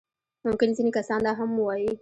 ممکن ځينې کسان دا هم ووايي.